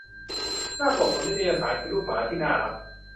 หน้าปกของนิตยสารคือลูกหมาที่น่ารัก